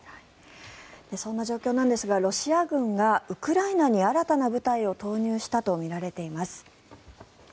そんな状況ですがロシア軍がウクライナに新たな部隊を投入したとみられています。